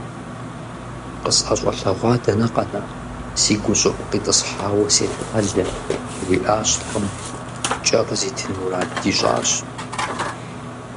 КъысӀэщӀэлъэгъуа дэнэ къэна, си гущӀыӀу къитӀысхьауэ сетхьэлэ! - жиӀащ лӀым, кӀэ къызитын мурад ищӀащ.